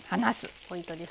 ポイントですね。